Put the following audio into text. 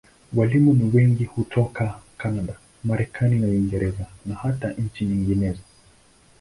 Walimu ni wengi hutoka Kanada, Marekani na Uingereza, na hata nchi nyinginezo.